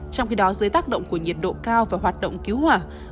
trong khi đó dưới tác động của nhiệt độ cao và hoạt động cứu hỏa